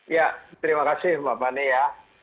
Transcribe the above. ya terima kasih mbak pani ya